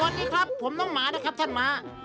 สวัสดีครับผมน้องหมานะครับท่านหมา